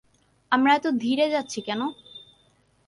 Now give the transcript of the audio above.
আমরা এতো ধীরে যাচ্ছি কেন?